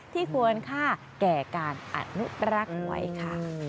ควรค่าแก่การอนุรักษ์ไว้ค่ะ